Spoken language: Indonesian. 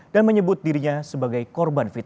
dan menyebut dirinya sebagai korban fitnah